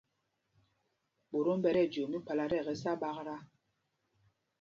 Ɓotom ɓɛ tí ɛjoo míkphālā tí ɛkɛ sá ɓaktá.